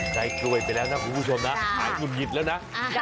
เจ้ากล้วยไปแล้วนะครูผู้ชมนะ